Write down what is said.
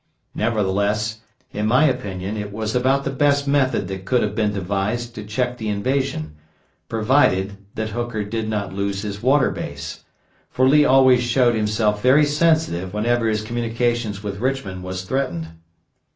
Nevertheless, in my opinion it was about the best method that could have been devised to check the invasion, provided that Hooker did not lose his water base; for Lee always showed himself very sensitive whenever his communications with Richmond was threatened.